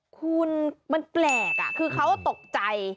คุณมันแปลกคือเขาตกใจ